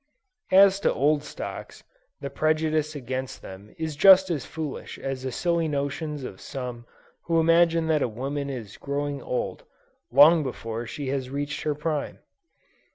As to old stocks, the prejudice against them is just as foolish as the silly notions of some who imagine that a woman is growing old, long before she has reached her prime.